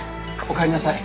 お帰りなさい。